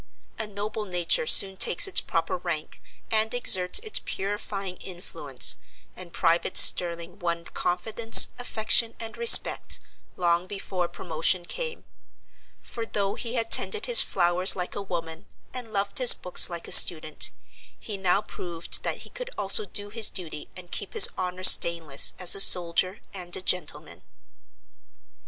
A noble nature soon takes its proper rank and exerts its purifying influence, and Private Sterling won confidence, affection, and respect, long before promotion came; for, though he had tended his flowers like a woman and loved his books like a student, he now proved that he could also do his duty and keep his honor stainless as a soldier and a gentleman.